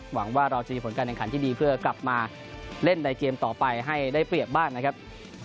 หวังว่าเราจะมีผลการแข่งขันที่ดีเพื่อกลับมาเล่นในเกมต่อไปให้ได้เปรียบบ้างนะครับ